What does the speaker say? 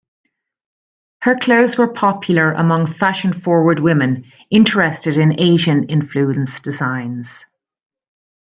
Her clothes were popular among fashion-forward women interested in Asian influence designs.